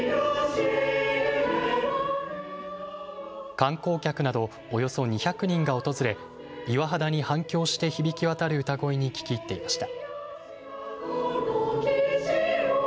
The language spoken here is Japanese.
観光客などおよそ２００人が訪れ岩肌に反響して響き渡る歌声に聞き入っていました。